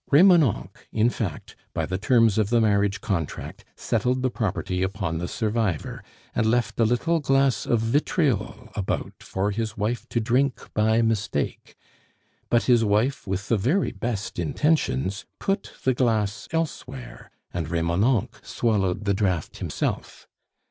Remonencq, in fact, by the terms of the marriage contract, settled the property upon the survivor, and left a little glass of vitriol about for his wife to drink by mistake; but his wife, with the very best intentions, put the glass elsewhere, and Remonencq swallowed the draught himself.